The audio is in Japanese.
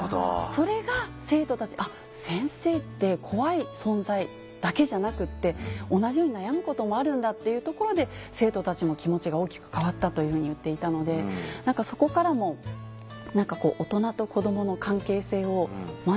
それが生徒たち「先生って怖い存在だけじゃなくて同じように悩むこともあるんだ」っていうところで生徒たちも気持ちが大きく変わったと言っていたのでそこからも大人と子どもの関係性を学ぶ。